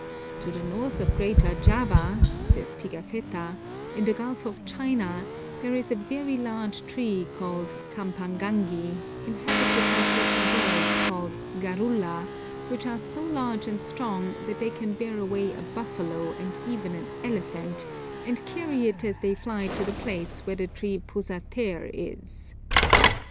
"To the north of Greater Java," says Pigafetta, "in the gulf of China, there is a very large tree called campanganghi inhabited by certain birds called garula, which are so large and strong that they can bear away a buffalo and even an elephant, and carry it as they fly to the place where the tree puzathaer is."